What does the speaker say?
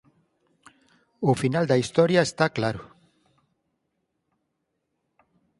O final da historia está claro.